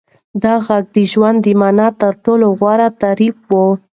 دا غږ د ژوند د مانا تر ټولو غوره تعریف و.